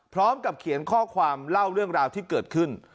พร้อมกับเขียนข้อความเล่าเรื่องราวที่เกิดขึ้น